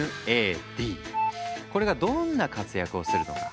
これがどんな活躍をするのか。